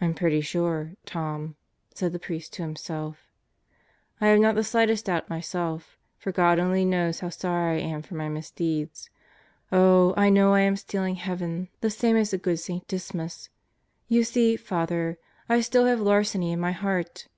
"I'm pretty sure, Tom/ 3 said the priest to himself, I have not the slightest doubt myself, for God only knows how sorry I am for my misdeeds. Oh, I know I am stealing heaven, the same as the good St. Dismas. You see, Father, I still have larceny in my heart!